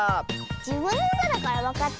じぶんのうただからわかったのかもね。